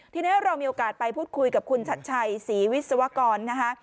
ทีนี้เรามีโอกาสไปพูดคุยกับคุณชัดชัยศรีวิศวกรนะคะ